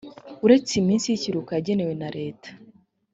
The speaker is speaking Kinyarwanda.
uretse iminsi y ikiruhuko yagenwe na leta